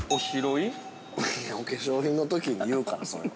◆いや、お化粧品のときに言うから、それは。